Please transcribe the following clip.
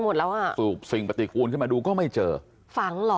หมดแล้วอ่ะสูบสิ่งปฏิกูลขึ้นมาดูก็ไม่เจอฝังเหรอ